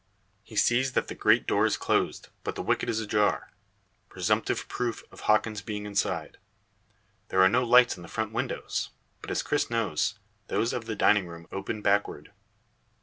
He sees that the great door is closed, but the wicket is ajar; presumptive proof of Hawkins being inside. There are no lights in the front windows, but, as Cris knows, those of the dining room open backward.